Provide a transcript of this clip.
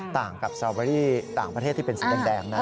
ต่างกับสตรอเบอรี่ต่างประเทศที่เป็นสีแดงนะ